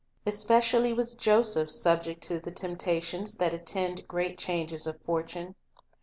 Especially was Joseph subject to the temptations that attend great changes of fortune.